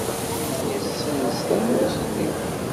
Yessenz tawwurt-nni.